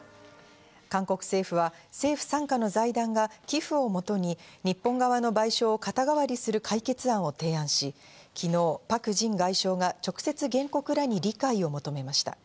韓国政府は政府傘下の財団が寄付をもとに日本側の賠償を肩代わりする解決案を提案し、昨日、パク・ジン外相が直接、原告らに理解を求めました。